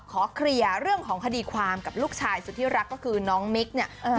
ข้อเคลียร่วมของคดีความลูกชายสุดที่รักคือน้องมิกเนี่ย